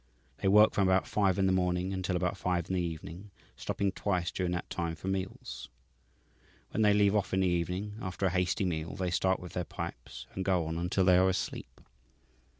They work from about five in the morning until about five in the evening, stopping twice during that time for meals. When they leave off in the evening, after a hasty meal they start with their pipes and go on until they are asleep.